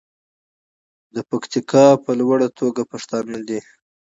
د پکتیکا په لوړه توګه پښتانه دي.